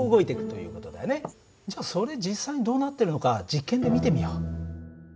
じゃあそれ実際にどうなってるのか実験で見てみよう。